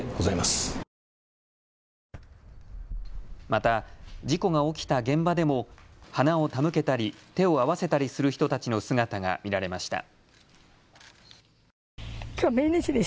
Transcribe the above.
また、事故が起きた現場でも花を手向けたり手を合わせたりする人たちの姿が見られました。